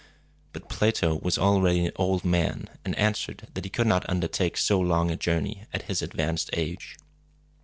But Plato was already an old man, and answered that he could not undertake so long a journey at his advanced age.